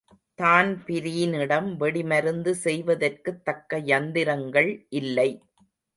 தான்பிரீனிடம் வெடிமருந்து செய்வதற்குத் தக்க யந்திரங்கள் இல்லை.